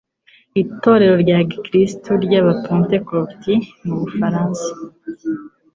itorero gikirisitu ry abapatekoti mubufaransa